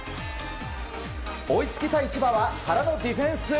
追いつきたい千葉は原のディフェンス。